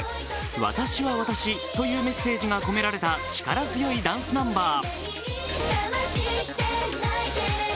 私は私というメッセージが込められた力強いダンスナンバー。